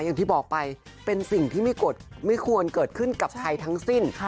อย่างที่บอกไปเป็นสิ่งที่ไม่ควรเกิดขึ้นกับใครทั้งสิ้น